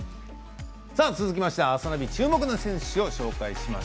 続きましては「あさナビ」注目の選手を紹介します。